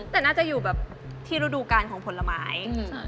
แต่น่าจะอยู่แบบที่ฤดูการของผลไม้